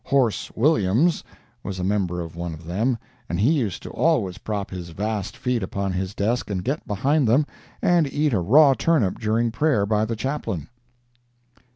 "Horse Williams" was a member of one of them, and he used to always prop his vast feet upon his desk and get behind them and eat a raw turnip during prayer by the Chaplain.